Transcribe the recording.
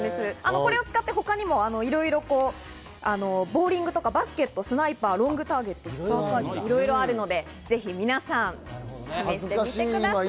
これを使って他にもいろいろ、ボーリングとかバスケット、スナイパーとかいろいろあるので、ぜひ皆さん試してみてください。